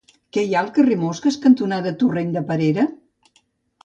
Què hi ha al carrer Mosques cantonada Torrent de Perera?